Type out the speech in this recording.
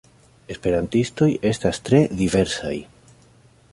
Esperantistoj estas tre diversaj.